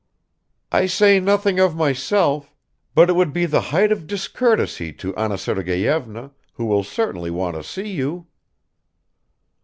"I say nothing of myself, but it would be the height of discourtesy to Anna Sergeyevna, who will certainly want to see you."